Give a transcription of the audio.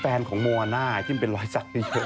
แฟนของม่วงหน้าที่เฉินเป็นรอยสักทีเยอะ